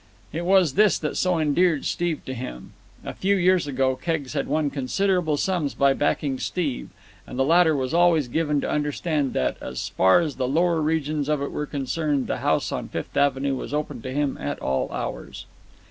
It was this that so endeared Steve to him. A few years ago Keggs had won considerable sums by backing Steve, and the latter was always given to understand that, as far as the lower regions of it were concerned, the house on Fifth Avenue was open to him at all hours.